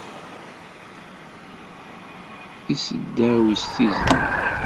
Iseddaw s tizli